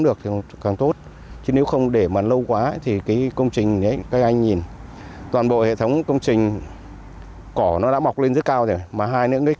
đường mặt bằng